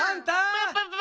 プププ！